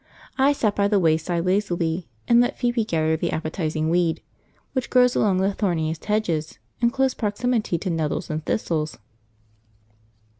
I sat by the wayside lazily and let Phoebe gather the appetising weed, which grows along the thorniest hedges in close proximity to nettles and thistles.